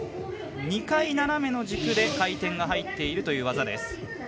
２回、斜めの軸で回転が入っているという技です。